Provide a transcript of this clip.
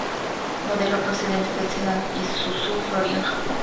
Modelo procedente del sedán Isuzu Florián Japón.